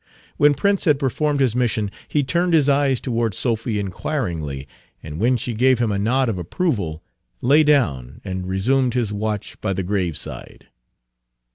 When Prince had performed his mission he turned his eyes toward Sophy inquiringly, and when she gave him a nod of approval lay down and resumed his watch by the graveside.